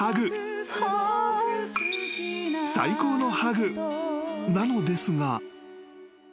［最高のハグなのですが］